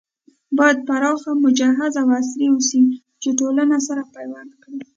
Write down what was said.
بايد پراخ، مجهز او عصري اوسي چې ټولنه سره پيوند کړي